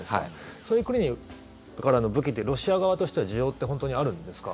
そういう国からの武器ってロシア側としては需要って本当にあるんですか？